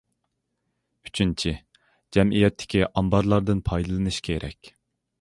ئۈچىنچى، جەمئىيەتتىكى ئامبارلاردىن پايدىلىنىش كېرەك.